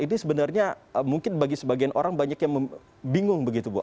ini sebenarnya mungkin bagi sebagian orang banyak yang bingung begitu bu